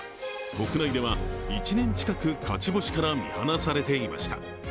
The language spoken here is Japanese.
国内では１年近く勝ち星から見放されていました。